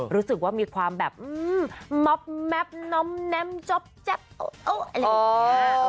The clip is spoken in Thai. รู้สึกว่ามีความแบบมับแมปนมแนนมจบจับโอ้แล้ว